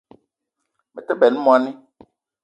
Me te benn moni